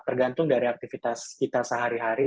tergantung dari aktivitas kita sehari hari